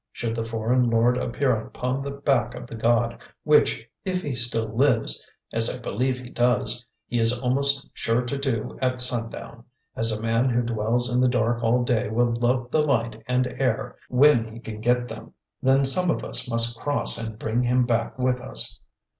Should the foreign lord appear upon the back of the god, which, if he still lives, as I believe he does, he is almost sure to do at sundown, as a man who dwells in the dark all day will love the light and air when he can get them, then some of us must cross and bring him back with us.